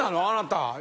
あなた。